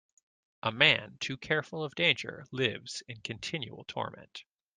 A man too careful of danger lives in continual torment.